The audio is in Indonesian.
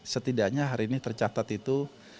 setidaknya hari ini tercatat itu seribu dua ratus sembilan puluh